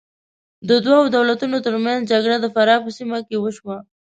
د دوو دولتونو تر منځ جګړه د فراه په سیمه کې وشوه.